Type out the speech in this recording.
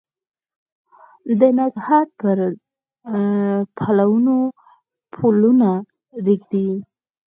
د نګهت پر پلونو پلونه ږدي